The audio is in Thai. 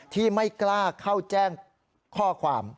ที่ไม่กล้าเข้าแจ้งข้อความ